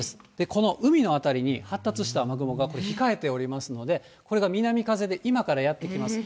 この海の辺りに発達した雨雲が、これ、控えておりますので、これが南風で今からやって来ます。